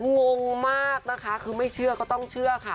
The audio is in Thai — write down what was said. งงมากนะคะคือไม่เชื่อก็ต้องเชื่อค่ะ